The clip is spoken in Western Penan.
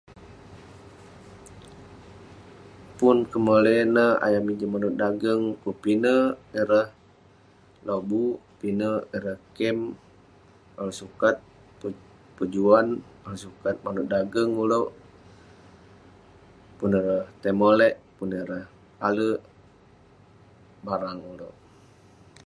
Pun kemoley neh ayuk amik juk manouk dageng, kuk pinek ireh lobuk, pinek ireh kem, ulouk sukat pejuan, ulouk sukat manouk dageng ulouk. Pun ireh tai molek, pun ireh ale barang ulouk.